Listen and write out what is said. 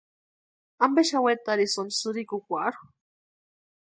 ¿Ampe xani wetarsïni sïrikukwarhu?